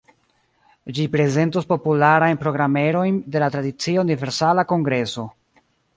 Ĝi prezentos popularajn programerojn de la tradicia Universala Kongreso.